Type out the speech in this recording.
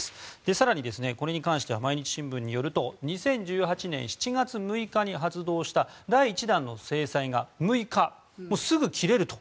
更に、これに関しては毎日新聞によると２０１８年７月６日に発動した第１弾の制裁が６日、すぐ切れると。